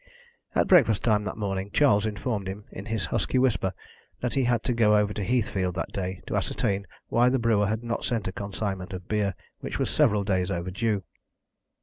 At breakfast time that morning Charles informed him, in his husky whisper, that he had to go over to Heathfield that day, to ascertain why the brewer had not sent a consignment of beer, which was several days overdue.